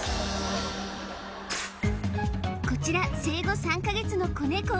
こちら生後３か月の子ネコ